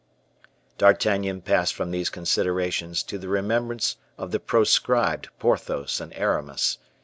D'Artagnan passed from these considerations to the remembrance of the proscribed Porthos and Aramis.